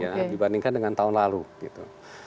ya dibandingkan dengan tahun lalu gitu